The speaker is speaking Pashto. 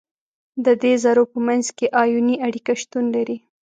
د دې ذرو په منځ کې آیوني اړیکه شتون لري.